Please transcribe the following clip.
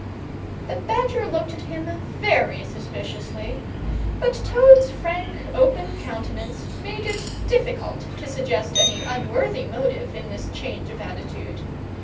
The Badger looked at him very suspiciously, but Toad's frank, open countenance made it difficult to suggest any unworthy motive in this change of attitude.